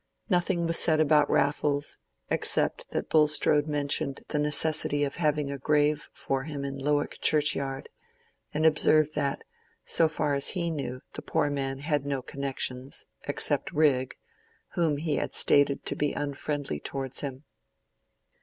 Nothing was said about Raffles, except that Bulstrode mentioned the necessity of having a grave for him in Lowick churchyard, and observed that, so far as he knew, the poor man had no connections, except Rigg, whom he had stated to be unfriendly towards him.